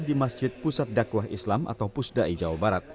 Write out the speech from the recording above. di masjid pusat dakwah islam atau pusda ijawa barat